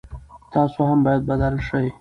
تاسو هم باید بدل شئ.